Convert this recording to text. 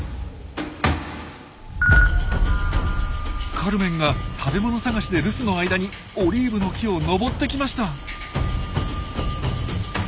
カルメンが食べ物探しで留守の間にオリーブの木を登ってきました！